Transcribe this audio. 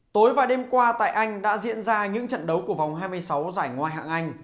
tối và đêm qua tại anh đã diễn ra những trận đấu của vòng hai mươi sáu giải ngoại hạng anh